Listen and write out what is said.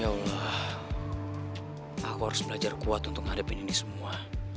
ya allah aku harus belajar kuat untuk menghadapi ini semua